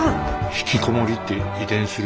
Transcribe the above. ひきこもりって遺伝する？